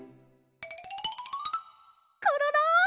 コロロ！